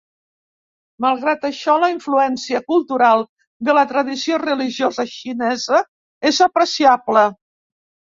Malgrat això la influència cultural de la tradició religiosa xinesa és apreciable.